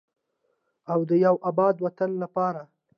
او د یو اباد وطن لپاره.